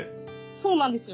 そうなんですよ。